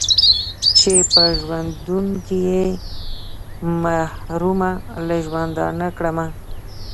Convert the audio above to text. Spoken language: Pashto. چې په ژوندون کښې يې محرومه له ژوندونه کړمه